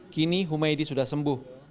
kini humaydi sudah sembuh